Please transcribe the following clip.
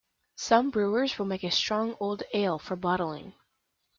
Some brewers will make a strong old ale for bottling.